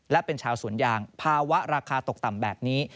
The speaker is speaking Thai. และเป็นชาวสวนยางภาวะราคาตกต่ำแบบนี้